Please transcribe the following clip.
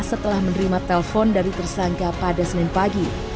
setelah menerima telepon dari tersangka pada senin pagi